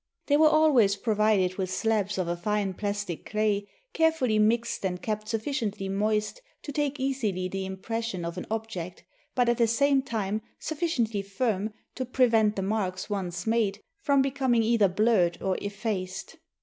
They were always provided with slabs of a fine plastic clay, carefully mixed and kept sufiiciently moist to take easily the impression of an ob ject, but at the same time sufficiently firm to prevent the marks once made from becoming either blurred or effaced.